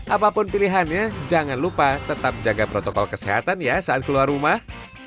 apapun pilihannya jangan lupa tetap jaga protokol kesehatan ya saat keluar rumah